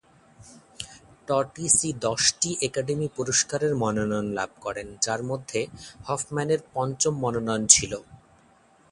টটিসি দশটি একাডেমি পুরস্কারের মনোনয়ন লাভ করেন, যার মধ্যে হফম্যানের পঞ্চম মনোনয়ন ছিল।